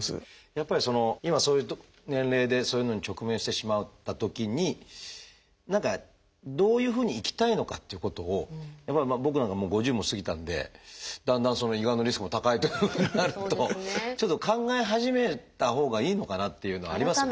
やっぱりそういう年齢でそういうのに直面してしまったときに何かどういうふうに生きたいのかっていうことをやっぱり僕なんかはもう５０も過ぎたんでだんだん胃がんのリスクも高いというふうになるとちょっと考え始めたほうがいいのかなっていうのはありますよね。